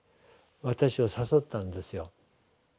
私を誘ったんですよ。